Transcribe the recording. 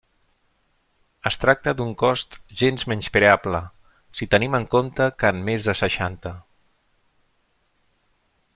Es tracta d'un cost gens menyspreable, si tenim en compte que en més de seixanta.